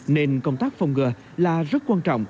nên công tác phong ngờ là rất quan trọng